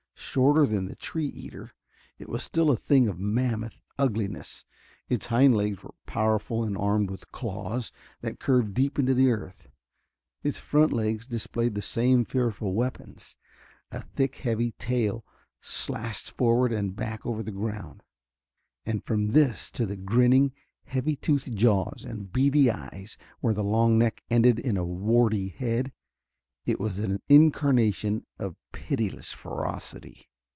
Shorter than the tree eater, it was still a thing of mammoth ugliness. Its hind legs were powerful and armed with claws that curved deep into the earth; its front legs displayed the same fearful weapons. A thick, heavy tail slashed forward and back over the ground. And from this to the grinning, heavy toothed jaws and beady eyes where the long neck ended in a warty head, it was an incarnation of pitiless ferocity.